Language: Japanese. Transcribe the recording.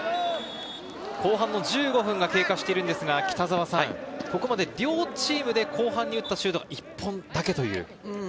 後半の１５分が経過しているんですが、ここまで両チームで後半に打ったシュートは１本だけという。